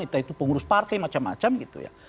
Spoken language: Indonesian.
entah itu pengurus partai macam macam gitu ya